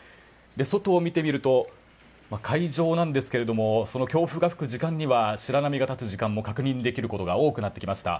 外を見てみると海上なんですが強風が吹く時間には白波が立つ時間も確認できることが多くなってきました。